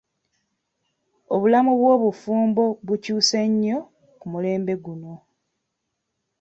Obulamu bw'obufumbo bukyuse nnyo ku mulembe guno.